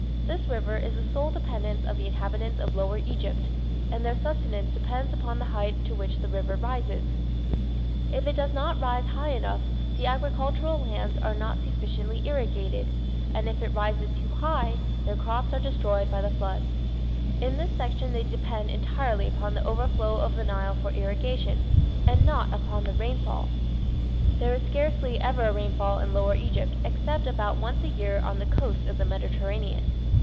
This river is the sole dependence of the inhabitants of lower Egypt, and their sustenance depends upon the height to which the river rises; if it does not rise high enough the agricultural lands are not sufficiently irrigated, and if it rises too high their crops are destroyed by the floods. In this section they depend entirely upon the overflow of the Nile for irrigation, and not upon the rainfall. There is scarcely ever a rainfall in lower Egypt except about once a year on the coast of the Mediterranean.